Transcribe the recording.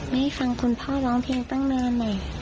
ไม่ให้ฟังคุณพ่อร้องเพลงตั้งเนิน